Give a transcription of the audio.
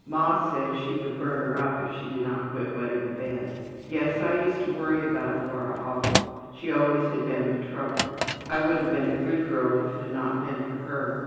Ma said she would burn her up if she did not quit wetting the bed. Yes, I used to worry about Laura awful. She always had been the trouble. I would have been a good girl if it had not been for her.